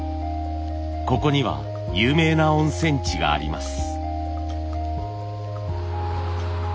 ここには有名な温泉地があります。